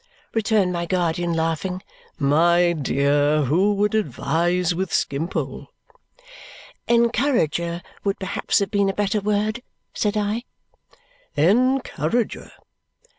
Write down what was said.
returned my guardian, laughing, "My dear, who would advise with Skimpole?" "Encourager would perhaps have been a better word," said I. "Encourager!"